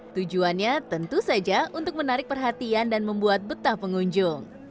tujuannya tentu saja untuk menarik perhatian dan membuat betah pengunjung